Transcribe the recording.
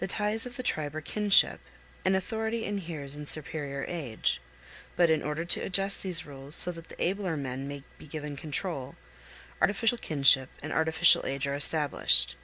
The ties of the tribe are kinship, and authority inheres in superior age; but in order to adjust these rules so that the abler men may be given control, artificial kinship and artificial age are established.